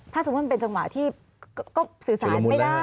ถ้าสมมติเป็นจำนว่าที่ก็สื่อสารไม่ได้